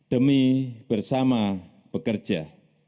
demi bersama pekerja